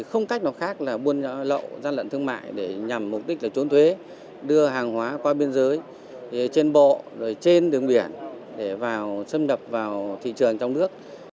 không cách nào khác là buôn lậu gian lận thương mại để nhằm mục đích là trốn thuế đưa hàng hóa qua biên giới trên bộ rồi trên đường biển để vào xâm nhập vào thị trường trong nước